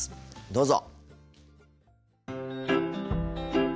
どうぞ。